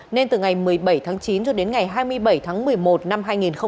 nên từ ngày một mươi bảy tháng chín cho đến ngày hai mươi bảy tháng một mươi một năm hai nghìn một mươi chín